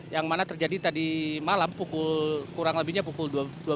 yang mana terjadi tadi malam kurang lebihnya pukul dua puluh